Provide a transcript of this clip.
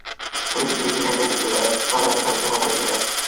পরে বিকেলে একটি ভ্যানগাড়িতে করে তাঁরাই রাজার নিথর দেহ বাড়িতে দিয়ে যান।